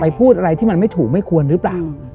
พูดอะไรที่มันไม่ถูกไม่ควรหรือเปล่า